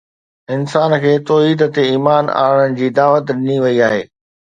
انسان کي توحيد تي ايمان آڻڻ جي دعوت ڏني وئي آهي